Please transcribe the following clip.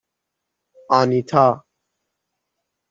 آنیتا